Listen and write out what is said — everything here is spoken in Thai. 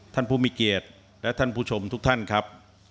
ท่านผู้มีเกียรติและท่านผู้ชมทุกท่านครับ